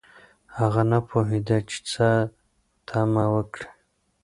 هغه نه پوهیده چې څه تمه وکړي